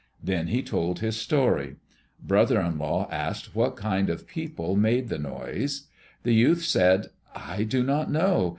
Then he told his story. Brother in law asked what kind of people made the noise. The youth said, "I do not know.